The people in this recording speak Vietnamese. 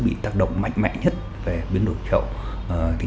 bị tác động mạnh mẽ nhất về biến đổi khẩu